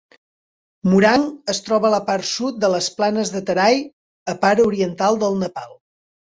Morang es troba a la part sud de les planes de Terai, a part oriental del Nepal.